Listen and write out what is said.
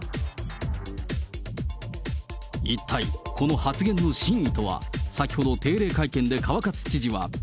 一体、この発言の真意とは、先ほど定例会見で川勝知事は。